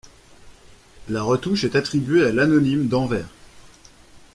La retouche est attribuée à l’Anonyme d'Anvers.